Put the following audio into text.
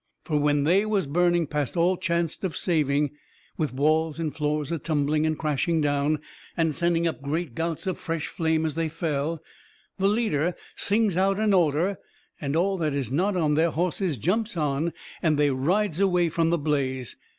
Fur when they was burning past all chancet of saving, with walls and floors a tumbling and crashing down and sending up great gouts of fresh flame as they fell, the leader sings out an order, and all that is not on their hosses jumps on, and they rides away from the blaze.